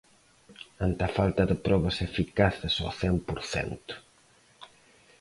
Ante a falta de probas eficaces ao cen por cento.